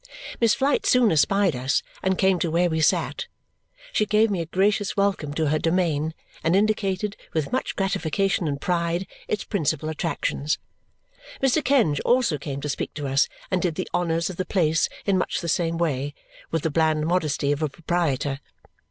Miss Flite soon espied us and came to where we sat. She gave me a gracious welcome to her domain and indicated, with much gratification and pride, its principal attractions. Mr. Kenge also came to speak to us and did the honours of the place in much the same way, with the bland modesty of a proprietor.